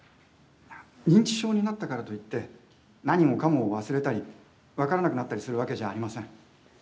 認知症になったからといって何もかも忘れたり、分からなくなったりするわけじゃありません。